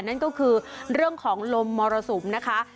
นั่นก็คือเรื่องของลมมรสุมนะคะ